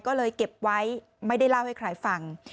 ก็เลยเก็บไว้ไม่ได้เล่าให้ใครฟัง